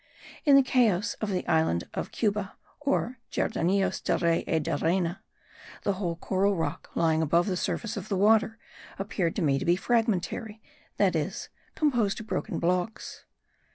In the cayos of the island of Cuba, or Jardinillos del Rey y del Reyna, the whole coral rock lying above the surface of the water appeared to me to be fragmentary, that is, composed of broken blocks.